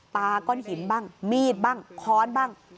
ก้อนหินบ้างมีดบ้างค้อนบ้าง